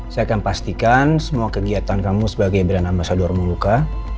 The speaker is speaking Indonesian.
saya akan pastikan semua kegiatan kamu sebagai brenna besadur moluka